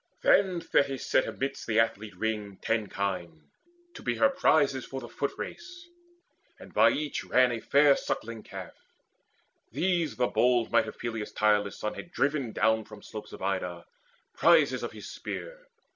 Then Thetis set Amidst the athlete ring ten kine, to be Her prizes for the footrace, and by each Ran a fair suckling calf. These the bold might Of Peleus' tireless son had driven down From slopes of Ida, prizes of his spear.